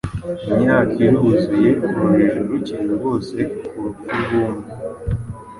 Imyaka iruzuye urujijo rukiri rwose ku rupfu rw’umwe